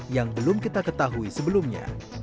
yang belum kita ketahui sebelumnya